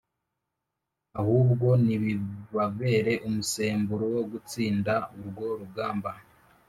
Ahubwo nibibabere umusemburo wo gutsinda urwo rugamba